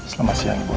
selamat siang bu